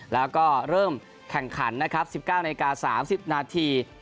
แล้วก็เริ่มแข่งขันนะครับ๑๙นาที๓๐นาที